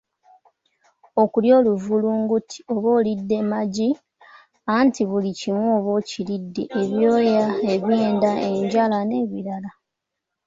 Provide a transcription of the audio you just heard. Okulya oluvulunguti oba olidde magi anti buli kimu oba okiridde ebyoya, ebyenda, enjala n'ebirala.